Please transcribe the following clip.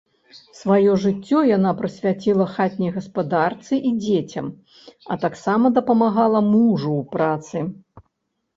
Сваё жыццё яна прысвяціла хатняй гаспадарцы і дзецям, а таксама дапамагала мужу ў працы.